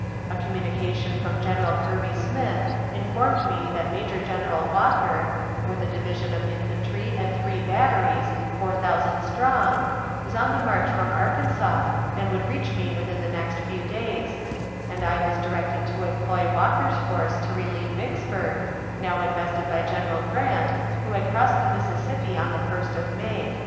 ... A communication from General Kirby Smith informed me that Major General Walker, with a division of infantry and three batteries, four thousand strong, was on the march from Arkansas, and would reach me within the next few days; and I was directed to employ Walker's force to relieve Vicksburg, now invested by General Grant, who had crossed the Mississippi on the 1st of May."